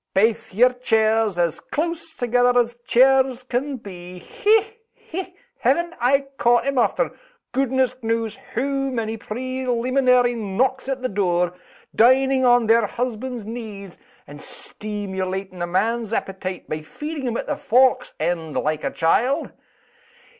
Baith yer chairs as close together as chairs can be. Hech! hech! haven't I caught 'em, after goodness knows hoo many preleeminary knocks at the door, dining on their husbands' knees, and steemulating a man's appetite by feeding him at the fork's end like a child?